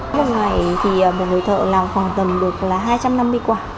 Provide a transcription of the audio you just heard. một ngày thì một người thợ làm khoảng tầm được hai trăm năm mươi quả